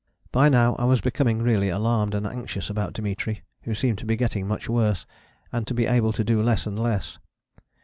By now I was becoming really alarmed and anxious about Dimitri, who seemed to be getting much worse, and to be able to do less and less.